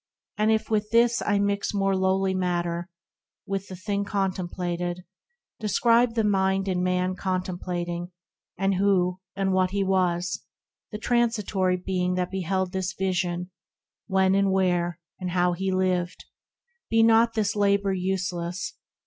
— And if with this I mix more lowly matter ; with the thing Contemplated, describe the Mind and Man Contemplating ; and who, and what he was — The transitory Being that beheld This Vision ;— when and where, and how he lived ; 56 THE RECLUSE Be not this labour useless.